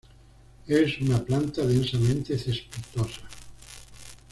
Es una planta densamente cespitosa.